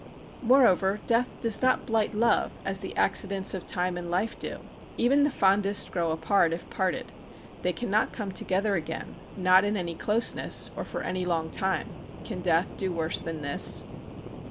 Moreover, death does not blight love as the accidents of time and life do. Even the fondest grow apart if parted; they cannot come together again, not in any closeness or for any long time. Can death do worse than this?